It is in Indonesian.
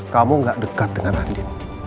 kamu gak dekat dengan andi